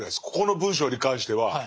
ここの文章に関しては。